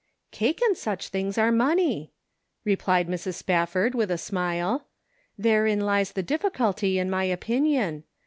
" Cake and such things are money," re plied Mrs. Spafford, with a smile. " Therein lies the difficulty in my opinion.